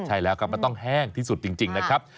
ใช่แล้วครับมันต้องแห้งที่สุดจริงนะครับ